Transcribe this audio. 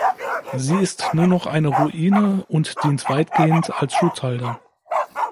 Sie ist nur noch eine Ruine und dient weitgehend als Schutthalde.